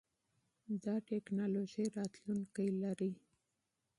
دا ټکنالوژي راتلونکی لري.